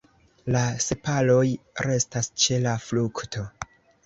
La sepaloj restas ĉe la frukto.